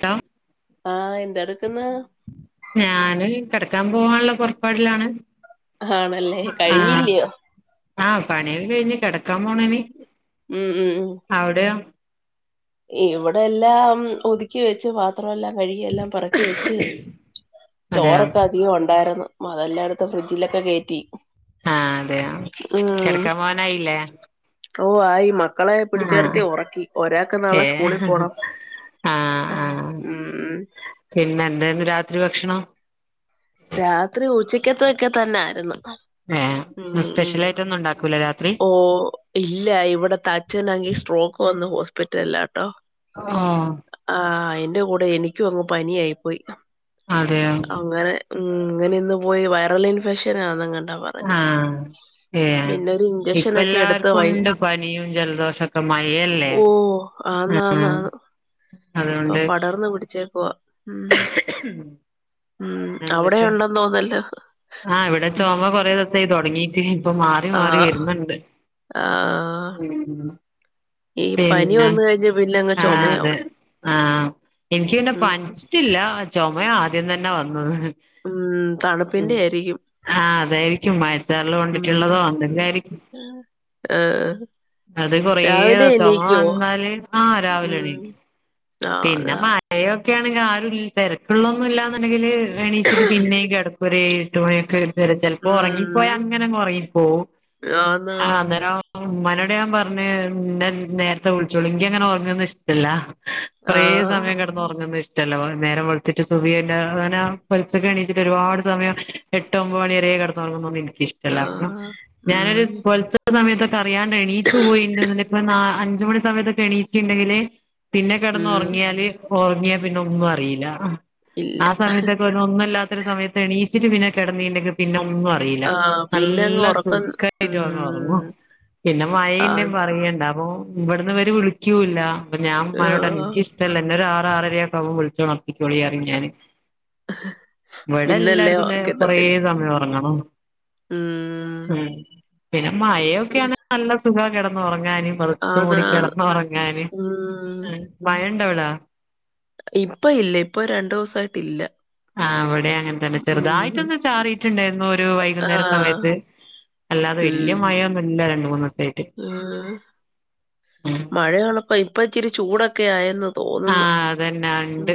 ത ആ എന്തെടുക്കന്ന് ഞാന് കിടക്കാൻ പോവാനുള്ള പുറപ്പാടിലാണ് ആണല്ലേ കഴിഞ്ഞില്ലിയോ. ആ പണിയെല്ലാം കഴിഞ്ഞ് കിടക്ക ക്കാൻ പോണനി ഉം ഉം ഉം അവിടെയോ? ഇവിടെ എല്ലാം ഒതുക്കി വെച്ച് മാത്രമല്ല. കഴികിയെല്ലാം പറക്കി വെച്ച് അതെയോ ചോറൊക്കെ അധികം ഒണ്ടായിരുന്നു. മ [unintelligible] ഫ്രിഡ്ജിലൊക്കെ കയറ്റി ആഹ് അതെയ കിടക്കാൻ പോവാനായില്ലേ ഓ ആയി മാ മക്കളെ ആഹ് പിടിച്ച്കെടത്തി ഉറക്കി ഒരാ ഏഹ് ആഹ് ആഹ് ഉം പിന്നെ എന്തായിരുന്ന് രാത്രി ഭക്ഷണം രാത്രി ഉച്ചക്കത്തൊക്കെ തന്നായിരുന്നു ഉം ഏഹ് ഉം സ്പെഷ്യൽ ആയിട്ട് ഒന്നും ഉണ്ടാക്കുലെ രാത് ഓ ഇല്ല ഇവിടെത്തെച്ഛനാങ്കിൽ സ്ട്രോക്ക് വന്ന് ഹോസ്പിറ്റല്ലാട്ടോ ആഹ് അയിന്റെ കൂടെ എനിക്കും അങ്ങ് പനിയായി പോയി അതെയ ഉമ് ഇന്നലെ ഇന്ന് പോയി വൈറൽ ഇൻഫെക്ഷന് അന്നങ്ങനെ ആഹ് ഏഹ് ഒരു ഇപ്പ ഇഞ്ചക്ഷനൊക്കെ എടുത്ത് വയ്യ എല്ലാർക്കുണ്ട് പനിയും ജലദോഷമോക്കെ മഴല്ലേ ഓ ആന്ന് ആഹ് ആന്ന് മ് ആന്ന് അതുകൊണ്ട് ഓ ഉം ഉം അവിടെ പിന്നെന്തൊക്കെയാ ഉണ്ടെന്ന് തോന്നല് ലോ ഹ് ആഹ് ഇവിടെ ചോമ കുറേ ദിവസായി തുടങ്ങിയിട്ട് ഇപ്പ മാ നി മാറി ആഹ് വരുന്നുണ്ട് ആഹ് മ് ഈ പനി പിന്നെ വന്ന് കഴിഞ്ഞ് പിന്നെ അങ്ങ് ആഹ് അതെ ചുമയാവും ആഹ് എനിക്ക് പിന്നെ ഉം പനിച്ചിട്ടില്ല ചോമ ചോമയാ ആദ്യം തന്നെ വന്നത് ഉം തണുപ് ഉമ് ഹാ അതായിരിക്കും മയച്ചാറല് ഉം കൊണ്ടിട്ടുള്ളതോ എന്തെങ്കിലും ആയിരിക്കും ഏഹ് അത് കൊറേയെ രാവിലെ ചൊമ എണീക്കുവോ വന്നാല് ആഹ് രാവിലെ ഉം എണീക്കും ആഹ് പിന്നെ അതാ മായയോ ഒക്കെ ആണെങ്കെ ആരുൽ തെരെക്കിള്ളൊന്നുല്ലാന്നുണ്ടെങ്കില് എണീചിട്ട് പിന്നേ കെട് ഒരേഴെട്ടുമണി ഓക്കേ വെരെ ചെൽപ്പോ ഉം ഒർങ്ങിപ്പോയ അങ്ങനങ് ഒർങ്ങിപ്പോവും ആഹ് ആന്നാന്ന് അന്നേരം ഇമ്മനോടെ ഞാൻ പർഞ്ഞ് ന്നെ നേര്ത്തെ വിളിച്ചോളി ഇൻക്കങ്ങനെ ഒർങ്ങ്ന്നെഷ്ടല്ല കൊറേ ആഹ് സമയം കെട്ന്നൊർങ്ങിന്നെഷ് ടല്ല നേരം വെൾത്തിട്ട് സുബിയിന്റെ അങ്ങന പൊൽച്ചക്കെണീച്ചിട്ട് ഒരുപാട് സമയം എട്ട് ഒമ്പ മണിവരെ കെട്ന്നോർങ്ങുന്നൊ ഇഷ്ടല്ലാരുന്നു ആഹ് ഞാനൊരു ഉം പൊൽച്ച സമയത്തൊ അറിയാണ്ടെണീച്ചു പോയിന്ന്ന്നീണ്ടെ ഇപ്പ നാ അഞ്ചു മണി സമയത്തൊക്കെ എണീറ്റിണ്ടെങ്കില് ഉം കെടന്നൊറങ്ങിയാല് ഓറങ്ങിയാ പിന്നെ ഒന്നും അറീല്ല ഇല്ല ആ സമയത്തൊക്കെ ഒ ഒന്നല്ലാത്തൊരു സമയത്തെണീ ച്ചിട്ട് പിന്നെ കെടന്നീണ്ടെങ്കി പിന്നെ ഒ ഒന്നും അറീല്ല ആഹ് പിന്നങ്ങ് നല്ല ഒറക്കം സുഖായിട്ട് വന്ന് ഒർങ്ങും ഉം പിന്നെ മഴീണ്ടെ ആഹ് പറെയെണ്ട അപ്പൊ ഇവിടുന്നവര് വിളിക്കൂല്ല അപ്പൊ ഞാൻ മാനോടർഞ്ഞ് ആഹ് ഇൻക്ക് ഇഷ്ടല്ല ഇന്നൊരാ ആറരയൊക്കാമ്പോ വിൾച്ചണൊ ക്കോളീ അറിം ഞാന് ഇവടെ പിന്നല്ലേ എല്ലാർക്കും നേ കൊറേ കിട്ടത്തില്ല സമയം ഒറങ്ങണം ഉം പിന്നെ മയൊക്ക്യാണ് നല്ല സുഖാ ഒർങ്ങാന് പൊതച്ച് ആന്ന് മൂടി ആന്ന് കെടന്നൊറങ്ങാന് ഉം ആ വയൺ എവിടാ ഇപ്പ ഇല്ല ഇപ്പൊ രണ്ടൂസായിട്ട് ഇല്ല ആ അവിടെ അങ്ങൻ തന്നെ ചെറുതായിട്ടൊന്ന് ചാറീട്ടിണ്ടേരുന്നു ഒരു വൈകുന്നേര ആഹ് സമയത്ത് അല്ലാതെ വെല്ല്യെ ഉം മയൊന്നുല്ല രണ്ട മൂന്ന് വട്ടായിട്ട്. ഉം പ്പൊ ഇപ്പ ഇച്ചിരി ചൂടൊക്കെ ആയെന്നു ആഹ അതെന്നെ ആ ഇണ്ട്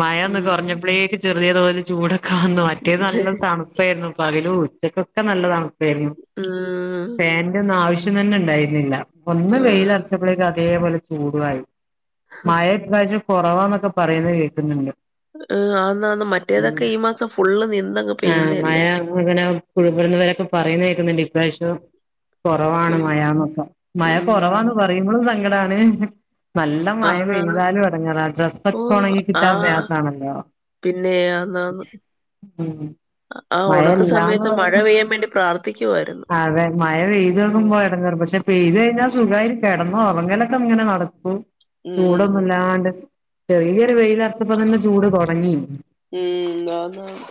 മയ ഒന്ന് ഉം കൊർഞ്ഞപ്പ്ളേക്ക് ചെറിയ തോതില് ചൂടെ കാന്നു മറ്റേ നല്ല തണ്പ്പേന്നു പകലു ഉച്ചക്കൊ ഒക്കെ നല്ലതാണ് [unintelligible] ഉം ഫേൻ്റൊന്നാവശ് യം തന്നെ ഇണ്ടായിര്ന്നില്ല ഒന്ന് വെയിലർച്ചപ്പളേക്കത് അതേപോലെ ചൂടുവായി മായെഡ് രാജു കൊറവാന്നൊക്കെ പറയുന്നെ കേക്കുന്നുണ്ട് ആഹ് ആന്നാന്ന് മറ്റേതൊക്കെ ഈ [unintelligible] മാസം ഫുള്ള് നിന്നങ്ങ് ആ മഴ പെയ്യുന്നയല്ലേ ഇങ്ങനെ [unintelligible] പറയുന്നെ കേക്കുന്നുണ്ട്. പൈശോ കുറവാണ് ഉം മഴന്നൊക്കെ മഴ കുറവാന്ന് ഉം. പറയുമ്പോൾ ഇങ്ങളാണ് നല്ലമയം ആന്നാന്ന്. പെയ്താലും എടങ്ങേറാ ഡ്രസ്സൊക്കെ ഓഹ്! ഒണങ്ങി ആ കിട്ടാൻ പ്രയാസാണല്ലോ പിന്നെ ആന്നാന്ന്. ആ ഉണക്ക സമയത്ത് മഴ പെയ്യാൻ വേണ്ടി പ്രാർത്ഥിക്കുവായിരുന്നു. ഉം. ആ ഒറങ്ങലൊക്കെ ഇങ്ങനെ നടക്കൂ ഉം. ഉം. ചൂടൊന്നില്ലാണ്ട് ചെറിയൊരു വെയിൽ അറത്തപ്പം തന്നെ ചൂട് തുടങ്ങി ഉം ന്നാ ന്നാ ന്ന്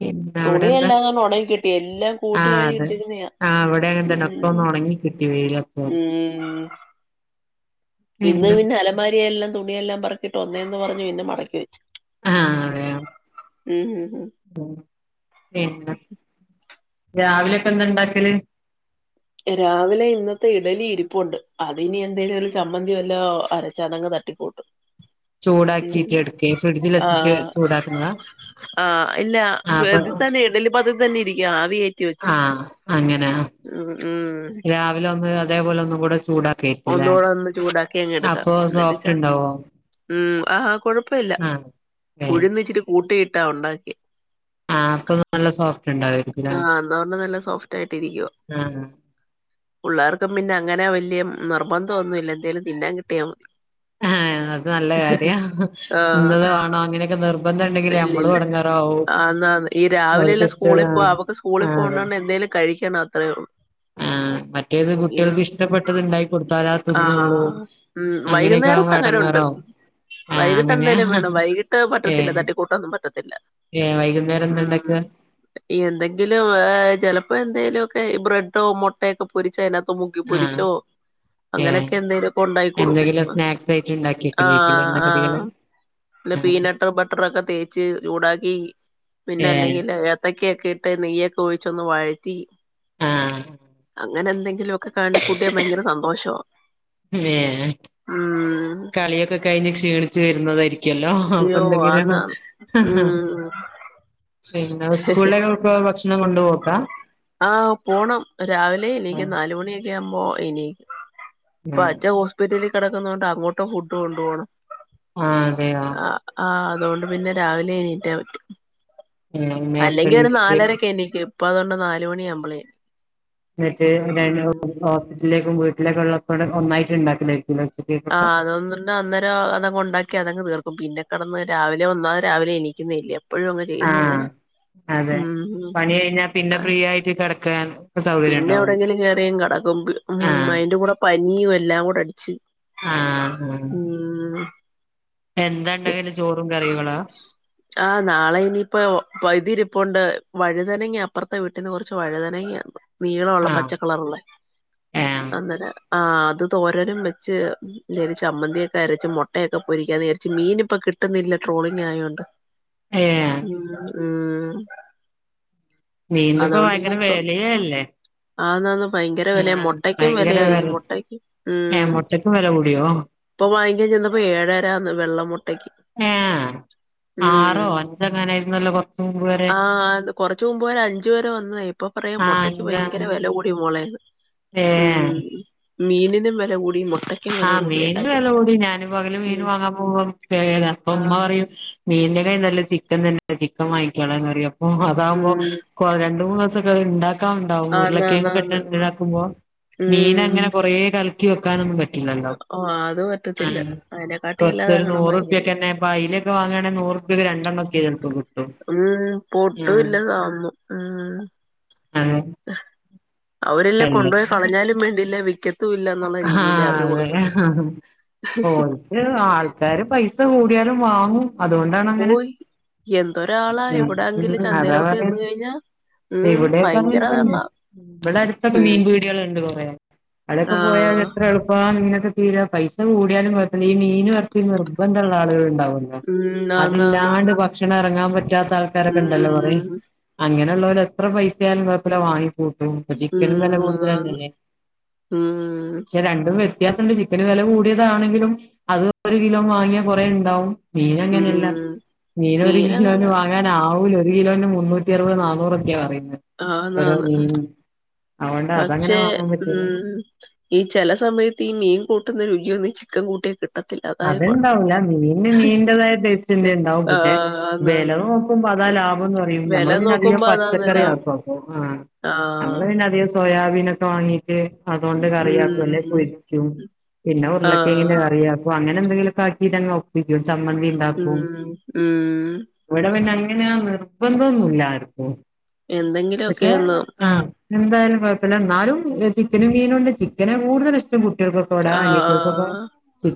പിന്നെ അവിടെ എന്താ തുണിയെല്ലാം ഉണങ്ങി കിട്ടി എല്ലാം കൂട്ടി ആഹ് വാരി അതെ ഇട്ടിരുന്നിയ ആഹ് ഇവിടെ അങ്ങനെ ഉ തന്നെ ഒക്കെ ഒന്ന് ഒണങ്ങി കിട്ടി ഉ വെയിലറച്ചോണ്ട് ഇന്ന് പിന്നെ അലമാരിയെല്ലാം തുണിയല്ലാം പറക്കിയിട്ട് ഒന്നേന്ന് പറഞ്ഞു പിന്നെ മടക്കി വെച്ച്. ആ അതെയോ മ്ഹും ഉം പിന്നെ രാവിലെ ഇപ്പൊ എന്താ ഇണ്ടാക്കല്? രാവിലെ ഇന്നത്തെ ഇഡലി ഇരിപ്പുണ്ട് അതിനി എന്തേലും ഒരു ചമ്മന്തി വല്ലോം അരച്ചതങ്ങ് തട്ടിക്കൂട്ടും. ഉം ചൂടാക്കിട്ട് എടുക്കെ ഫ്രിഡ്ജിൽ വെച്ചിട്ട് ആഹ് ചൂടാക്കുന്നതാ ആഹ് ആഹ് അപ്പൊ ഇല്ലഇതിൽ തന്നെ ഇഡ്ഡലി പാത്രത്തിൽ ഇരിക്കിയ ആവി കെറ്റിവെച്ച് ആഹ് അങ്ങനെ രാവിലെ ഒ അതേപോലെ ഒന്നും കൂടെ ചൂടാ ഒന്നുകൂടെ ഒന്ന് ചൂടാക്കി അങ് എടുക്കാം എന്നിട്ട് സോഫ്റ്റ് ചാ ഇണ്ടാവോ [unintelligible] ആഹ് കൊഴ പ്പല്ല ആഹ് ഏഹ് ഉഴുന്നിച്ചിരി കൂട്ടിയി ട്ടാ ഉണ്ടാക്കി ആഹ് അപ്പൊ നല്ല സോഫ് ആഹ് എന്ന് പറഞ്ഞോ നല്ല സോഫ്റ്റായിട്ടിരിക്കുവാ. ആഹ് പിള്ളാർക്കും പിന്നെ അങ്ങനെ വല്യ നിർബന്ധം ഒന്നു ഇല്ല. എന്തേലും തിന്നാൻ കിട്ടിയാൽ മതി. ആഹ് അത് നല്ല കാര്യാ. ഇന്നത് ആഹ് വേണം അങ്ങനെക്കെ നിർബന്ധ ഒണ്ടെങ്കിലേ നമ്മളും ഇല്ലില്ല എടങ്ങേറാവു. ഓല്ക്ക് ഇഷ്ടോള്ള അപ്പ അവക്ക് സ്കൂളിൽ പോണോട്ട് എന്തേലും കഴിക്കണം. അത്രേ ഒള്ളു. ആ മറ്റേത് കുട്ടിയൾക്ക് ഇഷ്ടപ്പെട്ടത് ഇണ്ടായി കൊടുത്താല തിന്നള്ളൂ ആഹ് ഉം അങ്ങനെയൊക്കെ ആ വൈകുന്നേരത്ത് അങ്ങനെ ഉണ്ട് എടങ്ങാറോ ആ വൈകിട്ട് അങ്ങനെയ എന്തേലും വേണം വൈകിട്ട് ഏ പറ്റത്തില്ല തട്ടിക്കൂട്ടൊന്നും പറ്റത്തില്ല ഏ വൈകുന്നേരം എന്തണ്ടക്ക് ഈ എന്തെങ്കിലും ചിലപ്പോ എന്തെലുക്കെ ഈ ബ്രെഡോ മുട്ടയൊക്കെ പൊരിച്ച അതിനത്ത് ആഹ് മുക്കിപ്പൊരിച്ചോ ഏഹ് അങ്ങനെക്കെ എന്തെലുക്കെ ഉണ്ടായിക്കൊടുക്കൂ. എന്തെങ്കിലും സ്നാക്സ് ആയിട്ട് ആ ഇണ്ടാക്കിക്കലേക്കും ആ എണ്ണക്കടികള് പിന്നെ ആഹ് പീനട്ട് ബട്ടറൊക്കെ തേച്ച് ചൂടാക്കി പിന്നെ ഏഹ് അല്ലെങ്കില് എ [unintelligible] ഇട്ട് നെയ്യൊക്കെ ഒഴിച്ച് ഒന്ന് വഴറ്റി ആഹ് അങ്ങനെ എന്തെങ്കിലും ഒക്കെ കാണ്ട് കൂട്ടിയാ ഭയങ്കര സന്തോഷവാ. ഏ ഉം കളിയൊക്കെ കഴിഞ്ഞ് ക്ഷീണിച്ച് വരുന്നതായിരിക്കല്ലോ. അപ്പൊ അയ്യോ എന്തെങ്കിലും അന്നാ ഉം പിന്നെ ഉസ്സ്കൂളിലേക്ക് [unintelligible] ഭക്ഷണം കൊണ്ടോവും. ബ ആ പോണം രാവിലെ എനിക്ക് ആഹ് നാലുമണിയൊക്കെ ആവുമ്പോ എണീ ആഹ് പച്ച ഹോസ്പിറ്റല് കിടക്കുന്നോണ്ട് അങ്ങോട്ട് ഫുഡ് കൊണ്ട് പോകണം ആഹ് അതെയോ അതുകൊണ്ട് പിന്നെ രാവിലെ എണീറ്റാ പറ്റും ഏഹ് നേരത്തെ അല്ലെങ്കി ഒരു എണീച്ചിട്ട് നാലരക്കെ എനിക്ക് അപ്പ അതുകൊണ്ട് നാല് മണി ആവുമ്പളേ മറ്റേ ര ഹോസ്പിറ്റലിൽ അപ്പ വീട്ടിലേക്കുള്ള തൂടെ ഒന്നായിട്ട്ണ്ടാക്കണേ ആഹ് അതൊന്നണ്ട അന്നേരം അതങ്ങൊണ്ടാക്കി അതങ്ങ് തീർ പ്പ പിന്നെ കിടന്ന് രാവിലെ വന്നാെ രാവിലെ എനിക്കുന്ന ഇല്ലേ ആഹ് അതെ ഉം പണി കഴിഞ്ഞാ പിന്നെ ആഹ് ഫ്രീ ആയിട്ട് കെട ക പിന്നെ എവിടെങ്കിലും കേറിയും കടക്കും ഉ ആഹ് അതിന്റെ കൂടെ പ നീം എല്ലാം കൂടെ അടിച്ച് ആഹ് ആഹ് ഉം. എന്താ ഇണ്ടാക്കല് ചോറും കറികളാ ആ നാളെ ഇനിയിപ്പ [unintelligible] ഇപ്പൊണ്ട് വഴുതനങ്ങി അപ്പുറത്തെ വീട്ടീന്ന് കുറച്ച് വഴുതനങ്ങ നീളമള്ള ആഹ് പച്ചക്കളറുള്ളേ ഏഹ് അന്നേനെ ആ അത് തോരോരും വെച്ച് നേരിച്ച ചമ്മന്തിൊക്കെ അരച്ച മുട്ടയൊക്കെ പൊരിക്കാൻ വിയാരിച്ച് മീൻ ഇപ്പ കിട്ടുന്നില്ല ട്രോളിങ് ആയോണ്ട് ഏ. ഉം ഉം മീന് ഇപ്പോ ഭയങ്കര വെലയ അല്ലേ? ആഹ് നാന്ന് ഭയങ്കര വിലയ മുട്ടക്കും ഭയങ്കര വിലയായി വെല മുട്ടക്കും ഉ ഏഹ് മുട്ടക്ക് വെല കൂടിയോ ഇപ്പൊ വാങ്ങിക്കാൻ ചെന്നപ്പോ ഏഴരന്ന് വെള്ള മുട്ടക്ക് ഏഹ് ഉ ആറോ അഞ്ചോ അങ്ങനായിരുന്നല്ലോ കൊറച്ച് മുമ്പ് വരെ ആ കൊറച്ച് മുമ്പ് വരെ അഞ്ച് വരെ വന്നതായി ഇപ്പൊ പറയാ ആഹ് മുട്ടക്ക് അഞ്ച് ഭയങ്കര അങ്ങനെ വില കൂടിയ മോള ഏഹ് മീനിനും വില കൂടി മൊ ആഹ് മീന്റെ വെലകൂടി ഞാനി പകല് മീൻ ഉം വാങ്ങാൻ പോകുമ അപ്പൊ ഉമ്മ ആഹ് പറയും മീനിന്റെക നല്ല ചിക്കൻ തന്നെ വാങ്ങിക്കാണന്ന് അപ്പം അതാവുമ്പ ഉം കൊ രണ്ട് മൂന്നിസം സക്കെ ഇണ്ടാ ക്കാണ്ടാവും ഉരുളക്കിഴങ്ങെക്കെ ആന്നാന്നാന്ന് ട്ടിതാക്കുമ്പൊ ഉം മീനങ്ങനെ കൊറേ ക ക്കി വെക്കാനൊന്നും പറ്റു ല്ലല്ലോ ഓഹ് അത് പറ്റത്തില്ല ഉം, അയിനെക്കാട്ടി അല്ലാതെ കൊറച്ചൊരു വാങ്ങിക്കുന്നെ നൂറപ്യക്കെന്നെ പ്പ അയ്ലൊക്കെ വാങ്ങയാണെങ്കിൽ നൂറുപ്യക്ക് രണ്ടെണ്ണം ഒക്കെപ്പ കിട്ടും ഉം ആഹ് പൊട്ടുല്ല സാന്നും ഉം അതെ അവരെല്ലാം കൊണ്ടോയി എല്ലെങ്കിലും കളഞ്ഞാലും വേണ്ടില്ല വി ആഹ് അതെ അ ഹ ഹ കോ [unintelligible] ആൾക്കാര് പൈസ് സ കൂടിയാലും വാങ്ങും അതുകൊണ്ടാണങ്ങനെ ഓയ് എന്തൊരാളാ ഇവിടെങ്കില് അതാ ചന്തയിലോട്ട് പറയ ചെന്ന് കഴിഞ്ഞാ ഉം ഇവിടെക്കെ ഭയങ്കര തള്ള അങ്ങനെതന്നെ ഇവിടെ അടുത്തൊക്കെ ഉം മീൻപീടികളുണ്ട് കൊറെ അവിടെക്കെ പോയാ ആഹ് എത്ര എളുപ്പ നിങ്ങ തീര പൈസ കൂടിയാലും കോയ്പില്ല ഈ മീനും റചിം നിർബന്ധള്ള ആളുകള്ണ്ടാവും ഉം ആന്നാന്ന് അതില്ലാണ്ട് ഭക്ഷണം എറങ്ങാ- പറ്റാ ആൾക്കാരൊക്കെ ഇണ്ടല്ലോ കൊറേ ഉം അങ്ങനെ എള്ളോരെത്ര പൈസയാലുകൊയ്പ്പില്ലവാങ്ങി- കൂട്ടും ചിക്കനും ഉം ആന്ന് വെലകൂടുതലെന്നല്ലേ ഉം വ്യത്യാസുണ്ട് ചിക്കന് വെല കൂടിയതാണെങ്കിലും അത് ഒരു കിലോ വാങ്ങിയ കൊറേണ്ടാവും ഉം മീനങ്ങനെയല്ല മീനൊരു കിലോന് മീനങ്ങനെ വാങ്ങാനാവുലോ ഒരു കിലോ മുന്നൂറ്റി അറുത് നാനൂറൊക്കെയാ പറയുന്നെ ആഹ് നാന്ന് അവൊണ്ട് അതങ്ങനെ വാങ്ങാൻ പറ്റിയത് ഈ ചില സമയത്ത് ഈ മീൻ കൂട്ടുന്ന രുചിയൊന്നും ചിക്കൻ കൂട്ടിയ കിട്ട്- അത്ണ്ടാവൂല്ല മീന് മീറ്റതായ ടേസ്റ്റ്ന്നെ ഇണ്ടാവും പിന്നെ ആഹ് വെല ആന്നാന്ന് നോക്കുമ്പോ അതാ ലാഭംന്ന് പറയും വെല ഞമ്മള് പിന്നെ അധികം നോക്കുമ്പോ പച്ചക്കറി അതാന്നണ്ടാവും ആക്കുപ്പൊ ആഹ് ആഹ് ഞമ്മള് പിന്നെ അധികം സോയാബീൻ ഒക്കെ വാങ്ങൂട്ട് അതൊണ്ട് കറിയാക്കും അല്ലെ ഉം പൊരിക്കും പിന്നെ ആഹ് ഉരുളക്കെയങ്ങിനെ കറിയ- അങ്ങനെ എന്തങ്കിലൊക്കൊകാക്കിടങ്ങ ചംമ്മന്തി ഇണ്ടാക്കും ഉം ഉം ഇവിടെ പിന്നങ്ങനെ അങ്ങനെ നിർബന്ധം ഒന്നുമില്ലാരിക്കും എന്തെങ്കിലു വൊക്കെ യൊന്ന് എന്തായാലും കുഴപ്പില്ല എന്നാലും ചിക്കനും മീനുംണ്ട് ചിക്കന് കൂടുതൽ ഇഷ്ടം കുട്ടികൾക്കൊക്കെ വിടെ ആഹ് അനിയത്തിയാക്കും ആഹ്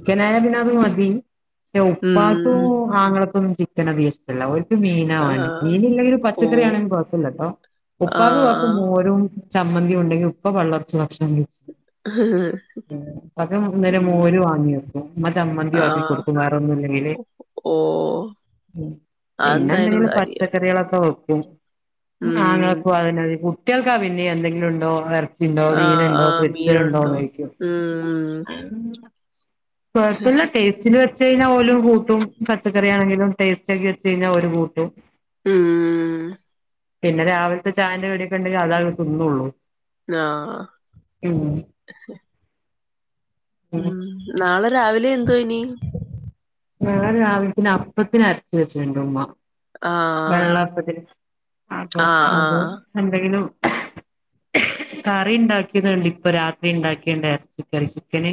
ക്കന പിന്ന അത് മതി ഉം ഉപ്പാക്കും ആങ്ങളക്കും ചിക്കനധിക ഇഷ്ടല്ല മീനാ വേണ്ടി ആഹ് മീനില്ലെങ്കി ഒരു ഓ പച്ചക്കറി ആണേലും കുഴപ്പില്ലട്ടോ ഉപ്പാക്ക് കുറച്ച് ആഹ് മോരും ചമ്മന്തി ഉണ്ടെങ്കിൽ ഇപ്പൊ പള്ളർച്ച ഭക്ഷണ കയ്ച്ചും പിന്നെ ഇപ്പക്ക് ഉം ഇന്നലെമോരു വാങ്ങിയോ [unintelligible] മ്മ ചമ്മന്തി വാക്കി ആഹ് കൊടുക്ക വേറൊന്നുംല്ലെങ്കില് ഓ പിന്നെ അതെന്തായാലും എന്തെങ്കും കാര്യം പച്ചക്കറികളൊക്കെ ഉം ഉം ആങ്ങളക്കും അതെന്നെ മതി കു കുട്ടികൾക്കാ പിന്നെ എന്തെങ്കിലും ഉണ്ടോ ണ്ടാവ ഇീങ്ങനെ ആഹ് ഉണ്ടാവ ആഹ് പൊരിച്ച ഉണ്ടാ മീനുണ്ടോ ചോദിക്കും ഉം കുഴപ്പമില്ല ടെസ്റ്റിൽ വെച്ച് [inaudible] ഉം പിന്നെ രാവിലത്തെ ചായൻന്റെടിയൊക്കെ ഉണ്ടെങ്കിൽ അതാ ആഹ ഉം ആ നാളെരാവി [inaudible] ല എന്തനി നാളെ രാവി [inaudible] ഉമ്മ [inaudible] ആഹ് ആഹ് ആഹ് കറി ഉണ്ടാക്കിയത്ണ്ട് ഇപ്പൊ രാത്രി ഉണ്ടാക്കിയണ്ട ചിക്കൻ ചിക്കന്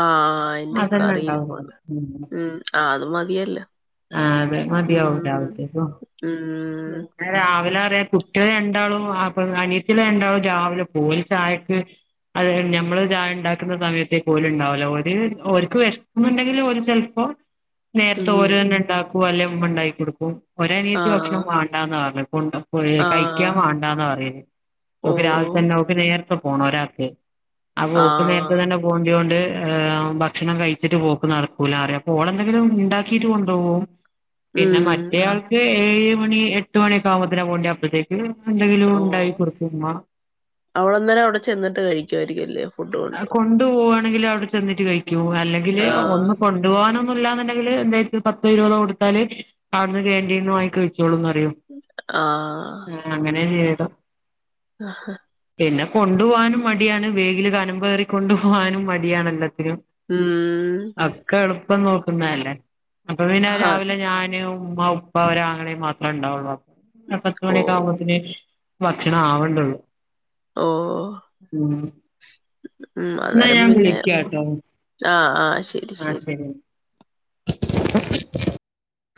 ആഹ അതന്നെ ഉണ്ടാവ ഉം ആഹ് അത് മതിയല്ല ആ അതെ മതിയാവുംും ഉം രാവത്തേക്ക ഉം രാവിലെ കുട്ടികളെ രണ്ടാളും അപ്പ അനിയത്തില രണ്ടാളും രാവിലെ പോലും ചായക്ക് അത് ഞമ്മള് ചായ ഉണ്ടാക്കുന്ന സമയത്തേ പോലും ഉണ്ടാവല്ലോ ർക്ക് വിഷന്നുണ്ടെങ്കിൽ ഒരു ചിലപ്പോ നേരത്തെ ഉം ഓരോ തന്നെ ഉണ്ടാക്കുവ അല്ലെ മണ്ടായി കൊടുക്കും ഒരനീത്തി ഭക്ഷണം ആഹ് വേണ്ടന്ന് പറഞ്ഞണ്ട കഴിക്കാൻ ആഹ് വേണ്ടന്ന് പറയേ നക്ക് രാവിലെ ഓഹ് തന്നെ നക്ക് നേ പോണം ഒരാൾക്ക് ആ പോക്ക് നേരത്തെ ആഹ് തന്നെ പോണ്ടോണ്ട് ് ഭക്ഷണം കഴിച്ചിട്ട് പോക്ക്ുന്ന നടക്കൂല അറിയാം അപ്പോ ഓൾെന്തെങ്കിലും ഉണ്ടാക്കിയിട്ട് കൊണ്ടുപോകും പിന്നെ ഉം മറ്റേയാൾക്ക് ഏ മണി എട്ട്ണൊക്കെകുമ്പുന്നതിനെ വണ്ട അപ്പോഴത്തേക്ക് ഓ അവടെന്നേര അവിടെ ചെന്നിട്ട് കഴിക്കുമായിരിക്കുംല്ലേോ കൊണ്ടു പോകുവാണെങ്കിൽ അവിടെ ചെന്നിട്ട് കഴിക്കൂ അല്ലെങ്കിൽ ആഹ് ഒന്ന് കൊണ്ടു പോനും [inaudible] ണ്ടെങ്കിൽ എന്ത പത്ത ഇരുപതോ കൊടുത്താൽ കാണുന്ന കാക്ൻറീന വിഴിച്ചു റോ അങ്ങനെ [unintelligible] ആഹഹ പിന്നെ കൊണ്ടു പോകാനും മടിയാണ് വേ [inaudible] കയറി കൊണ്ടു പോകാനും മടിയാണല്ലത് ഉം [inaudible] അക്ക [inaudible] ഇപ്പം നോക്കുന്നല്ലേ അപ്പൊ പിനെ ആഹ് രാവിലെ ഞാനോ ഉമ്മ ഉപ്പ ഒരാ ആങ്ങളേ മാത്രമേ ഉണ്ടാവുള്ളൂ പത്ത്മണിയൊക്കെ ഓഹ് ആവുമ്പോത്തേ ഭക്ഷണം ആവേണ്ടുള്ളൂ ഓഹ് ഉം ഉം എന്നാ അന്നേരം ഞാൻ പിന്നെ വിളിക്കാട്ടോ ആഹ ആഹ ശരി ശരി [inaudible]